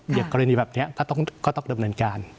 เดี๋ยวกรณีแบบนี้ก็ต้องกระดับหนังการ